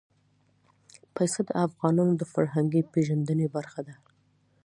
پسه د افغانانو د فرهنګي پیژندنې برخه ده.